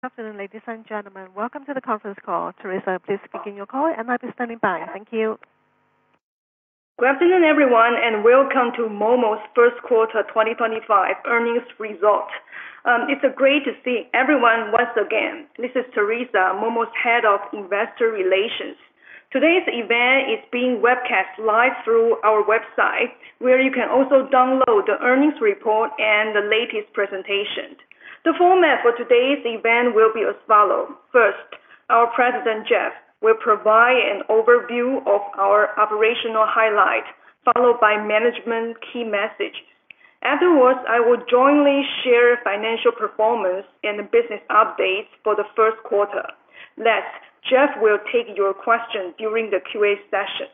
Confident, ladies and gentlemen. Welcome to the conference call. Terrisa, please begin your call, and I'll be standing by. Thank you. Good afternoon, everyone, and welcome to Momo's first quarter 2025 earnings result. It's great to see everyone once again. This is Terrisa, Momo's Head of Investor Relations. Today's event is being webcast live through our website, where you can also download the earnings report and the latest presentation. The format for today's event will be as follows. First, our President, Jeff, will provide an overview of our operational highlight, followed by management key message. Afterwards, I will jointly share financial performance and business updates for the first quarter. Next, Jeff will take your questions during the Q&A session.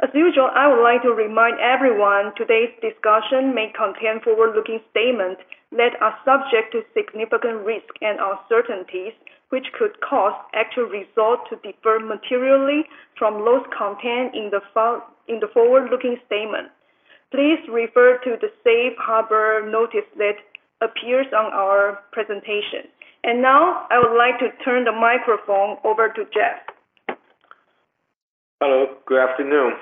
As usual, I would like to remind everyone today's discussion may contain forward-looking statements that are subject to significant risk and uncertainties, which could cause actual results to differ materially from those contained in the forward-looking statement. Please refer to the safe harbor notice that appears on our presentation. I would like to turn the microphone over to Jeff. Hello. Good afternoon.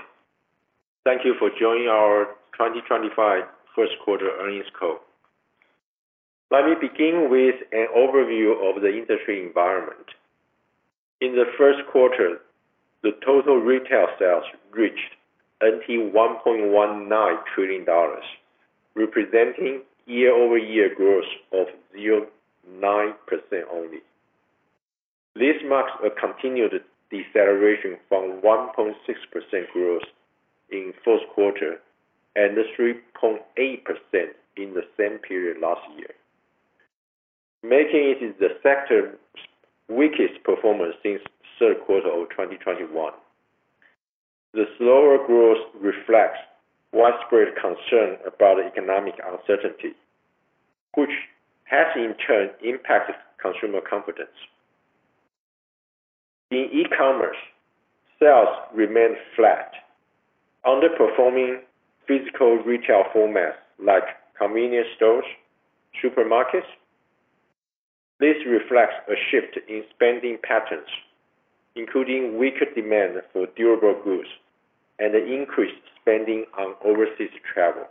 Thank you for joining our 2025 first quarter earnings call. Let me begin with an overview of the industry environment. In the first quarter, the total retail sales reached 21.19 trillion dollars, representing year-over-year growth of 0.9% only. This marks a continued deceleration from 1.6% growth in the fourth quarter and 3.8% in the same period last year, making it the sector's weakest performance since the third quarter of 2021. The slower growth reflects widespread concern about economic uncertainty, which has in turn impacted consumer confidence. In e-commerce, sales remained flat, underperforming physical retail formats like convenience stores and supermarkets. This reflects a shift in spending patterns, including weaker demand for durable goods and an increased spending on overseas travel.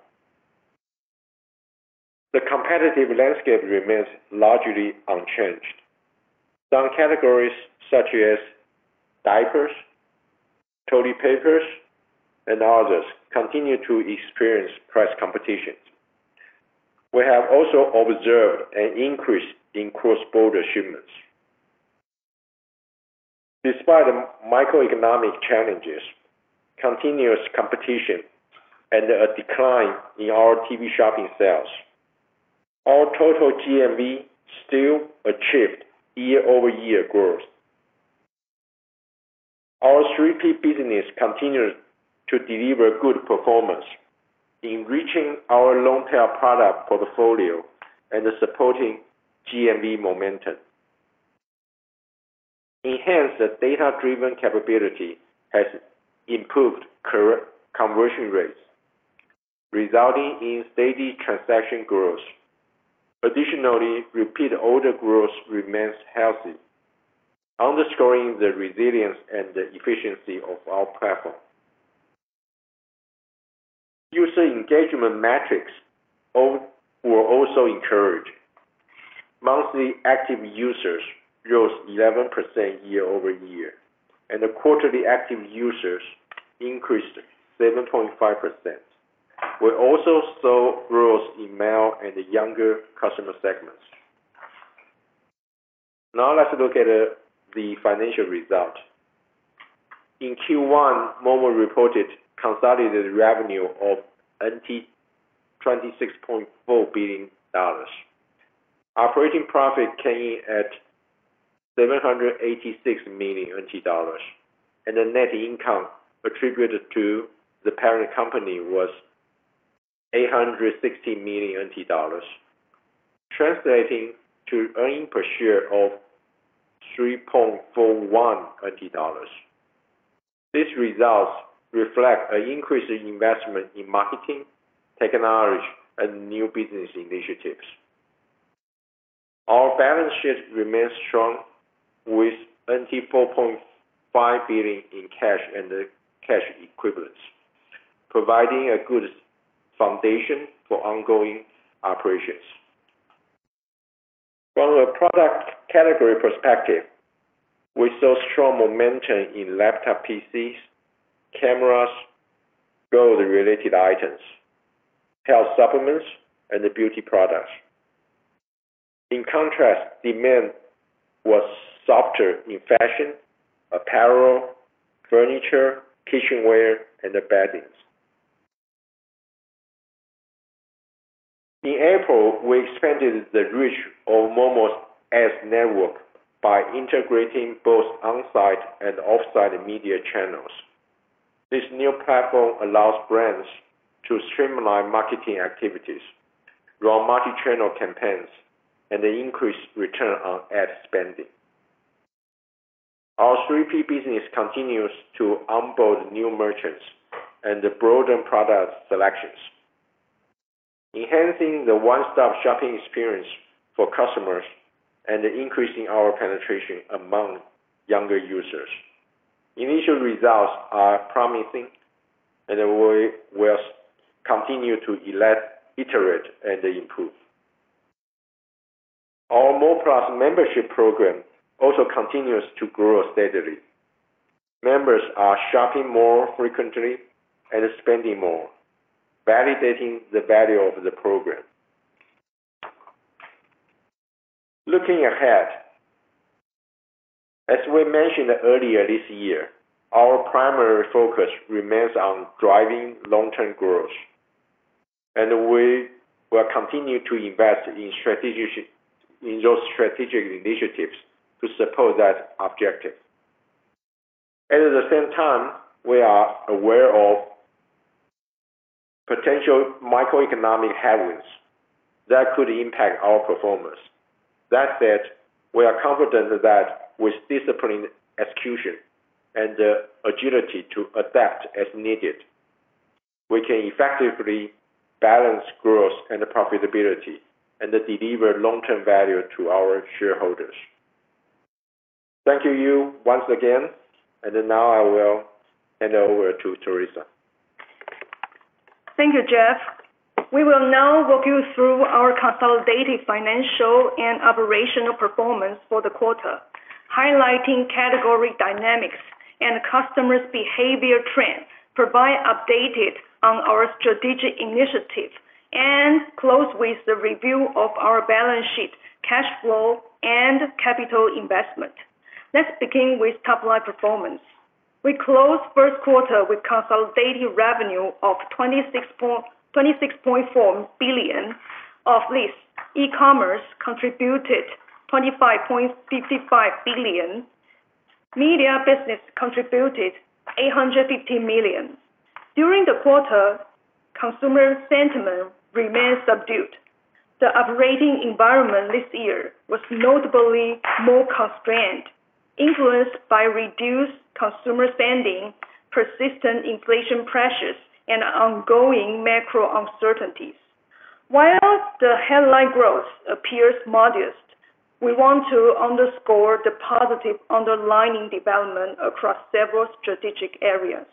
The competitive landscape remains largely unchanged. Some categories such as diapers, toilet paper, and others continue to experience price competition. We have also observed an increase in cross-border shipments. Despite the microeconomic challenges, continuous competition, and a decline in our TV shopping sales, our total GMV still achieved year-over-year growth. Our 3P business continues to deliver good performance in reaching our long-tail product portfolio and supporting GMV momentum. Enhanced data-driven capability has improved current conversion rates, resulting in steady transaction growth. Additionally, repeat order growth remains healthy, underscoring the resilience and efficiency of our platform. User engagement metrics were also encouraging. Monthly active users rose 11% year-over-year, and quarterly active users increased 7.5%. We also saw growth in male and younger customer segments. Now, let's look at the financial result. In Q1, Momo reported consolidated revenue of TWD 26.4 billion. Operating profit came in at TWD 786 million, and the net income attributed to the parent company was 860 million NT dollars, translating to an earning per share of 3.41. These results reflect an increase in investment in marketing, technology, and new business initiatives. Our balance sheet remains strong, with 4.5 billion in cash and cash equivalents, providing a good foundation for ongoing operations. From a product category perspective, we saw strong momentum in laptop PCs, cameras, growth-related items, health supplements, and beauty products. In contrast, demand was softer in fashion, apparel, furniture, kitchenware, and bedding. In April, we expanded the reach of Momo's ads network by integrating both onsite and offsite media channels. This new platform allows brands to streamline marketing activities, run multichannel campaigns, and increase return on ad spending. Our 3P business continues to onboard new merchants and broaden product selections, enhancing the one-stop shopping experience for customers and increasing our penetration among younger users. Initial results are promising, and we will continue to iterate and improve. Our MO+ membership program also continues to grow steadily. Members are shopping more frequently and spending more, validating the value of the program. Looking ahead, as we mentioned earlier this year, our primary focus remains on driving long-term growth, and we will continue to invest in those strategic initiatives to support that objective. At the same time, we are aware of potential microeconomic headwinds that could impact our performance. That said, we are confident that with disciplined execution and agility to adapt as needed, we can effectively balance growth and profitability and deliver long-term value to our shareholders. Thank you once again. I will hand it over to Terrisa. Thank you, Jeff. We will now walk you through our consolidated financial and operational performance for the quarter, highlighting category dynamics and customer behavior trends, provide updates on our strategic initiatives, and close with the review of our balance sheet, cash flow, and capital investment. Let's begin with top-line performance. We closed the first quarter with consolidated revenue of 26.4 billion. Of this, e-commerce contributed 25.55 billion. Media business contributed 850 million. During the quarter, consumer sentiment remained subdued. The operating environment this year was notably more constrained, influenced by reduced consumer spending, persistent inflation pressures, and ongoing macro uncertainties. While the headline growth appears modest, we want to underscore the positive underlying development across several strategic areas.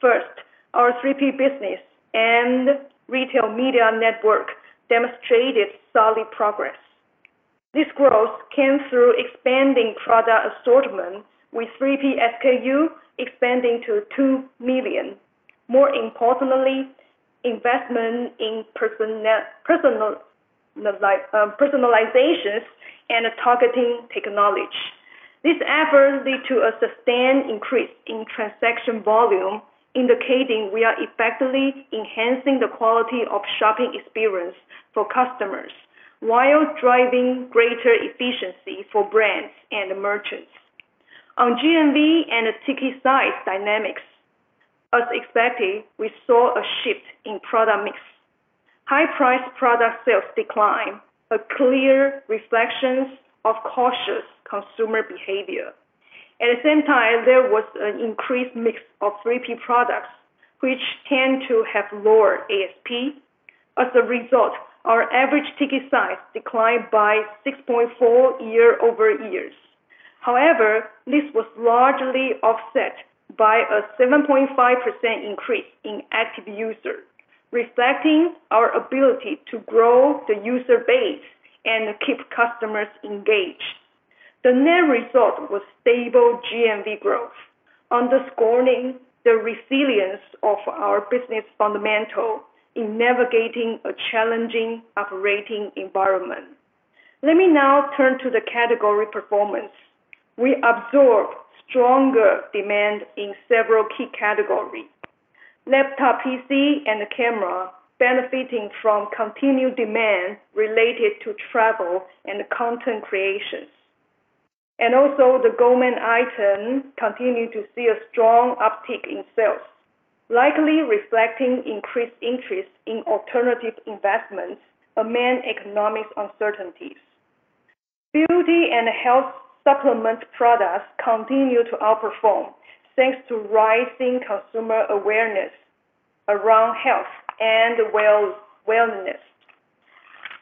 First, our 3P business and retail media network demonstrated solid progress. This growth came through expanding product assortment, with 3P SKU expanding to 2 million. More importantly, investment in personalization and targeting technology. This effort led to a sustained increase in transaction volume, indicating we are effectively enhancing the quality of shopping experience for customers while driving greater efficiency for brands and merchants. On GMV and ticket size dynamics, as expected, we saw a shift in product mix. High-priced product sales declined, a clear reflection of cautious consumer behavior. At the same time, there was an increased mix of 3P products, which tend to have lower ASP. As a result, our average ticket size declined by 6.4% year-over-year. However, this was largely offset by a 7.5% increase in active users, reflecting our ability to grow the user base and keep customers engaged. The net result was stable GMV growth, underscoring the resilience of our business fundamentals in navigating a challenging operating environment. Let me now turn to the category performance. We observed stronger demand in several key categories: laptop PC and camera, benefiting from continued demand related to travel and content creations. The gourmet items continue to see a strong uptick in sales, likely reflecting increased interest in alternative investments amid economic uncertainties. Beauty and health supplement products continue to outperform thanks to rising consumer awareness around health and wellness.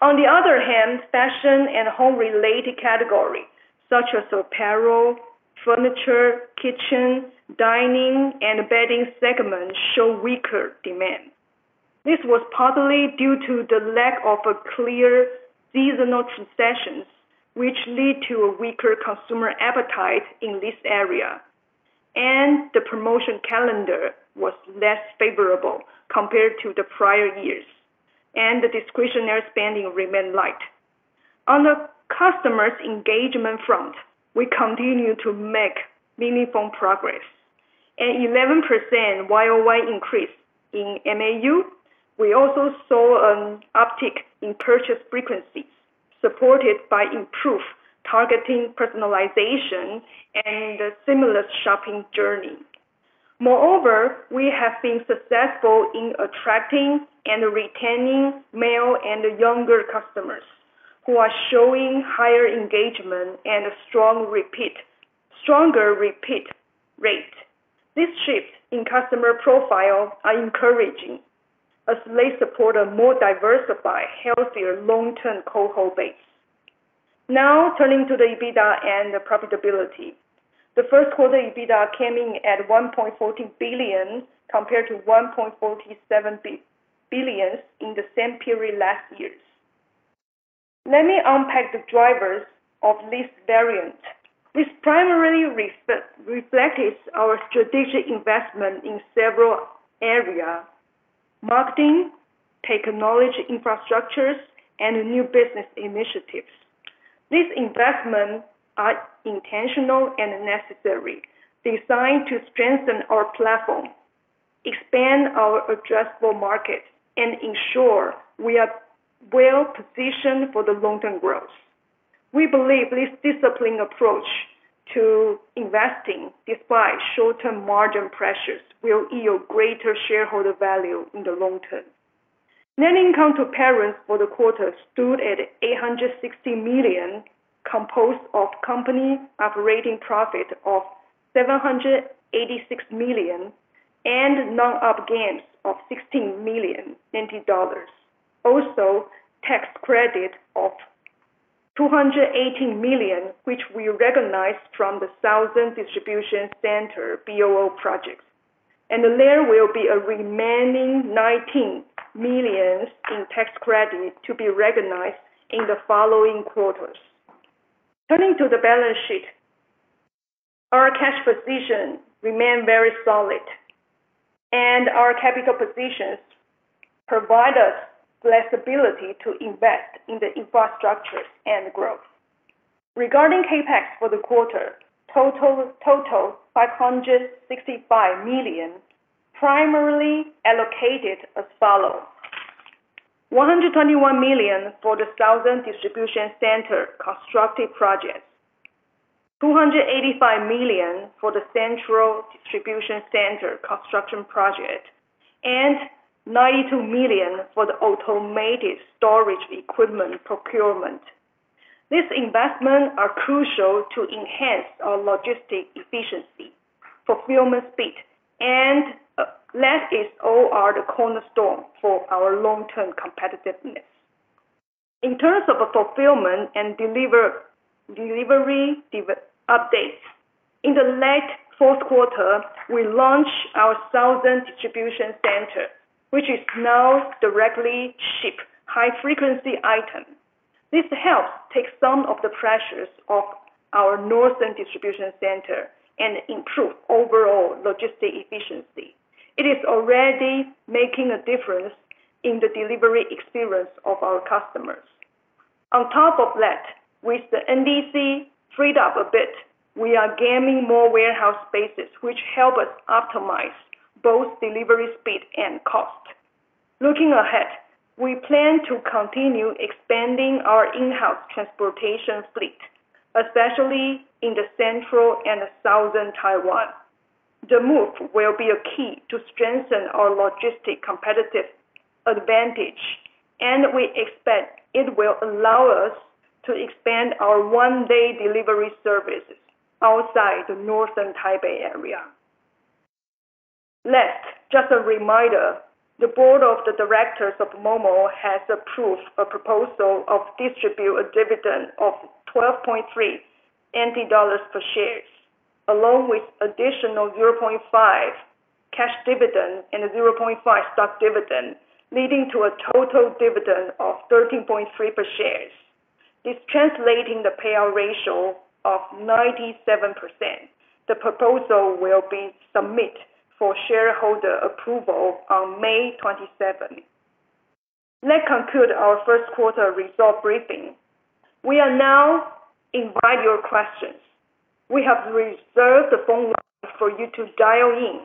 On the other hand, fashion and home-related categories such as apparel, furniture, kitchen, dining, and bedding segments show weaker demand. This was partly due to the lack of clear seasonal transitions, which led to a weaker consumer appetite in this area. The promotion calendar was less favorable compared to the prior years, and the discretionary spending remained light. On the customer engagement front, we continue to make meaningful progress. An 11% year-over-year increase in MAU. We also saw an uptick in purchase frequencies, supported by improved targeting personalization and the seamless shopping journey. Moreover, we have been successful in attracting and retaining male and younger customers who are showing higher engagement and a stronger repeat rate. This shift in customer profile is encouraging as they support a more diversified, healthier long-term cohort base. Now, turning to the EBITDA and profitability. The first quarter EBITDA came in at 1.40 billion compared to 1.47 billion in the same period last year. Let me unpack the drivers of this variant. This primarily reflects our strategic investment in several areas: marketing, technology infrastructures, and new business initiatives. These investments are intentional and necessary, designed to strengthen our platform, expand our addressable market, and ensure we are well-positioned for the long-term growth. We believe this disciplined approach to investing, despite short-term margin pressures, will yield greater shareholder value in the long term. Net income to parents for the quarter stood at 860 million, composed of company operating profit of 786 million and non-op gains of 16 million NT dollars. Also, tax credit of 218 million, which we recognized from the Central Distribution Center BOO project. There will be a remaining 19 million in tax credit to be recognized in the following quarters. Turning to the balance sheet, our cash position remained very solid, and our capital positions provide us flexibility to invest in the infrastructure and growth. Regarding CAPEX for the quarter, total 565 million primarily allocated as follows: 121 million for the Central Distribution Center Construction Project, 285 million for the Southern Distribution Center Construction Project, and 92 million for the automated storage equipment procurement. These investments are crucial to enhance our logistic efficiency, fulfillment speed, and that is all the cornerstone for our long-term competitiveness. In terms of fulfillment and delivery updates, in the late fourth quarter, we launched our Taishan Distribution Center, which is now directly shipping high-frequency items. This helps take some of the pressures off our Northern Distribution Center and improve overall logistic efficiency. It is already making a difference in the delivery experience of our customers. On top of that, with the NDC freed up a bit, we are gaining more warehouse spaces, which helps us optimize both delivery speed and cost. Looking ahead, we plan to continue expanding our in-house transportation fleet, especially in Central and Southern Taiwan. The move will be a key to strengthen our logistic competitive advantage, and we expect it will allow us to expand our one-day delivery services outside the Northern Taipei area. Last, just a reminder, the board of directors of Momo has approved a proposal to distribute a dividend of 12.30 dollars per share, along with an additional 0.50 cash dividend and 0.50 stock dividend, leading to a total dividend of 13.30 per share. This translates to a payout ratio of 97%. The proposal will be submitted for shareholder approval on May 27. Let's conclude our first quarter result briefing. We are now inviting your questions. We have reserved the phone line for you to dial in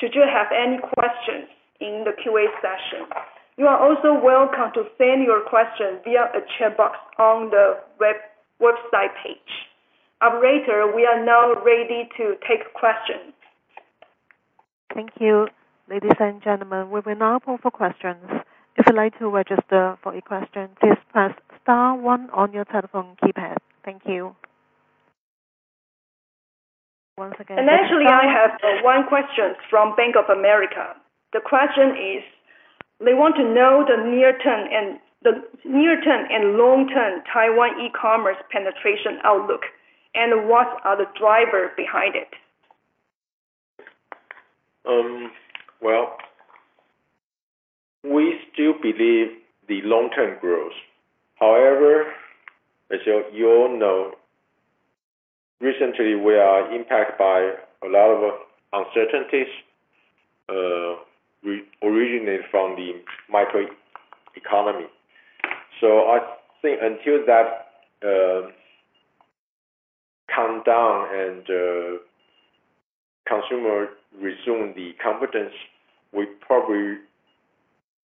should you have any questions in the Q&A session. You are also welcome to send your questions via the chat box on the website page. Operator, we are now ready to take questions. Thank you, ladies and gentlemen. We will now poll for questions. If you'd like to register for a question, please press star one on your telephone keypad. Thank you once again. I have one question from Bank of America. The question is, they want to know the near-term and long-term Taiwan e-commerce penetration outlook and what are the drivers behind it. We still believe in the long-term growth. However, as you all know, recently, we are impacted by a lot of uncertainties originating from the microeconomy. I think until that calms down and consumers resume confidence, we probably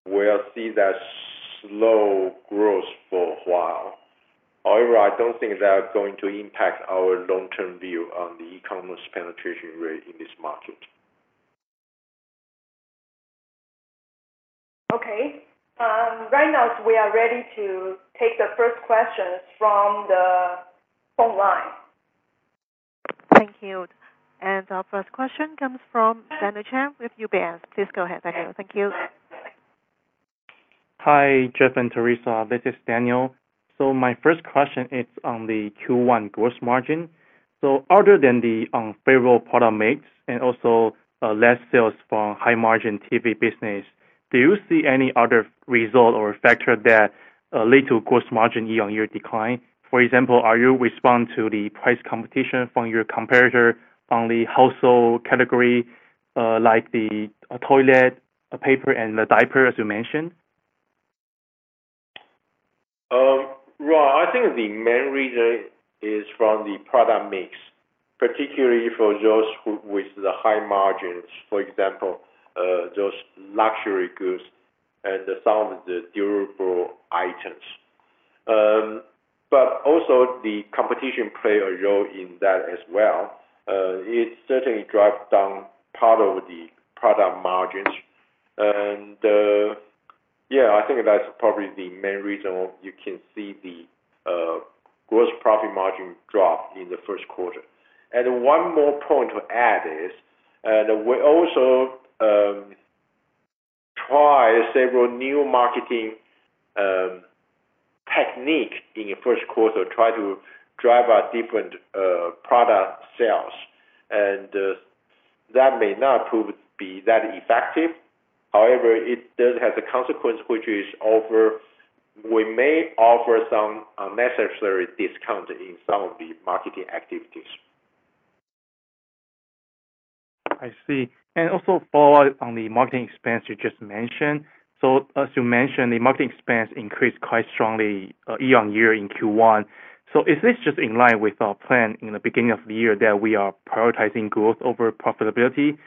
will see that slow growth for a while. However, I do not think that is going to impact our long-term view on the e-commerce penetration rate in this market. Okay. Right now, we are ready to take the first questions from the phone line. Thank you. Our first question comes from Daniel Chen with UBS. Please go ahead, Daniel. Thank you. Hi, Jeff and Terrisa. This is Daniel. My first question is on the Q1 gross margin. Other than the favorable product mix and also less sales from high-margin TV business, do you see any other result or factor that led to gross margin year-on-year decline? For example, are you responding to the price competition from your competitor on the household category like the toilet paper and the diaper, as you mentioned? I think the main reason is from the product mix, particularly for those with the high margins, for example, those luxury goods and some of the durable items. Also, the competition played a role in that as well. It certainly dropped down part of the product margins. Yeah, I think that's probably the main reason you can see the gross profit margin drop in the first quarter. One more point to add is we also tried several new marketing techniques in the first quarter to try to drive our different product sales. That may not be that effective. However, it does have a consequence, which is we may offer some unnecessary discounts in some of the marketing activities. I see. Also, follow-up on the marketing expense you just mentioned. As you mentioned, the marketing expense increased quite strongly year-on-year in Q1. Is this just in line with our plan in the beginning of the year that we are prioritizing growth over profitability?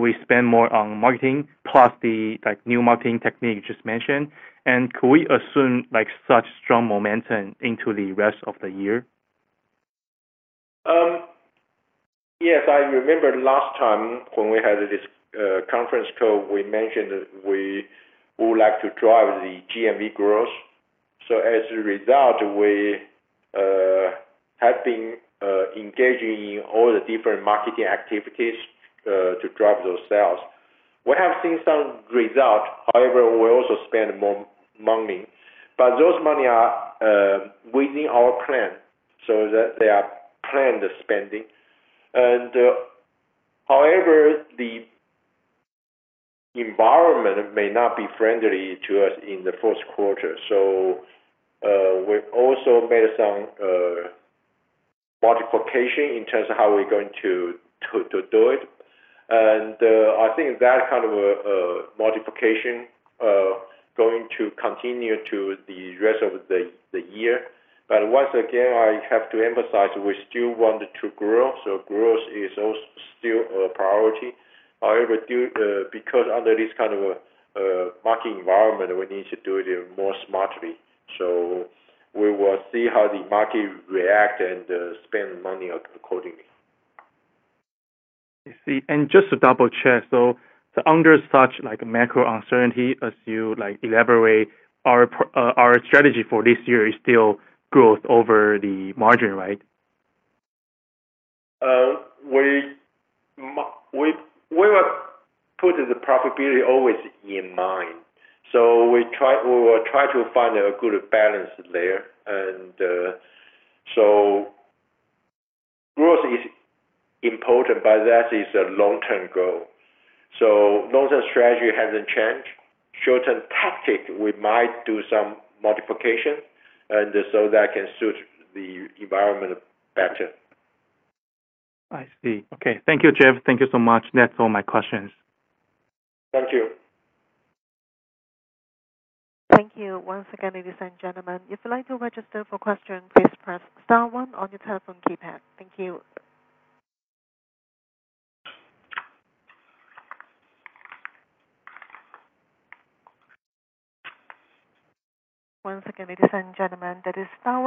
We spend more on marketing plus the new marketing technique you just mentioned. Could we assume such strong momentum into the rest of the year? Yes. I remember last time when we had this conference call, we mentioned we would like to drive the GMV growth. As a result, we have been engaging in all the different marketing activities to drive those sales. We have seen some results. However, we also spent more money. Those monies are within our plan, so they are planned spending. However, the environment may not be friendly to us in the fourth quarter. We also made some modifications in terms of how we're going to do it. I think that kind of modification is going to continue through the rest of the year. Once again, I have to emphasize we still want to grow. Growth is still a priority. However, because under this kind of market environment, we need to do it more smartly. We will see how the market reacts and spend money accordingly. I see. Just to double-check, under such macro uncertainty, as you elaborate, our strategy for this year is still growth over the margin, right? We will put the profitability always in mind. We will try to find a good balance there. Growth is important, but that is a long-term goal. Long-term strategy has not changed. Short-term tactic, we might do some modification so that can suit the environment better. I see. Okay. Thank you, Jeff. Thank you so much. That's all my questions. Thank you. Thank you. Once again, ladies and gentlemen, if you'd like to register for questions, please press star one on your telephone keypad. Thank you. Once again, ladies and gentlemen, that is star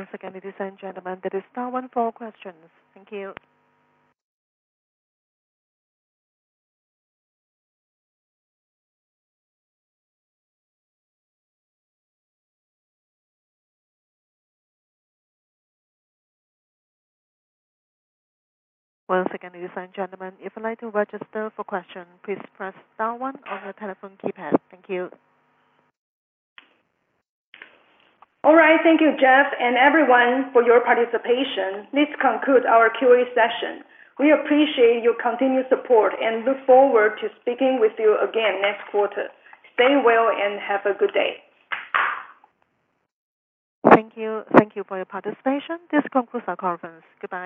one for questions. Thank you. Once again, ladies and gentlemen, if you'd like to register for questions, please press star one on your telephone keypad. Thank you. All right. Thank you, Jeff and everyone, for your participation. Let's conclude our Q&A session. We appreciate your continued support and look forward to speaking with you again next quarter. Stay well and have a good day. Thank you. Thank you for your participation. This concludes our conference. Goodbye.